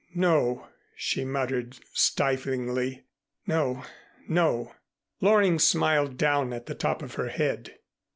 "No," she muttered, stiflingly, "no, no." Loring smiled down at the top of her head.